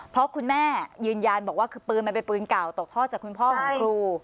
เพราะคุณแม่ยืนยันบอกว่าคือปืนมันเป็นปืนเก่าตกทอดจากคุณพ่อของครู